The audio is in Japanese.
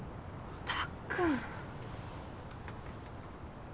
たっくん！